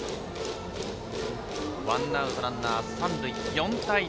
ワンアウトランナー三塁、４対０。